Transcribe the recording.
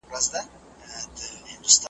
او د ده شپې به خالي له انګولا وي .